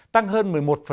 tăng hơn một mươi một